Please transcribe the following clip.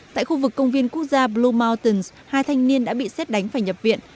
tại khu vực công viên quốc gia blue mutons hai thanh niên đã bị xét đánh phải nhập viện